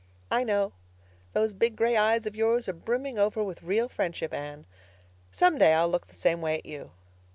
"I know. Those big gray eyes of yours are brimming over with real friendship, Anne. Some day I'll look the same way at you.